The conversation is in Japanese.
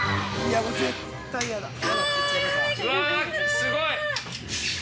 ◆うわ、すごい。